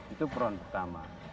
itu peron pertama